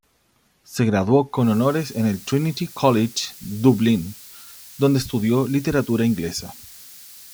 Se graduó con honores en el Trinity College Dublin, donde estudió Literatura Inglesa.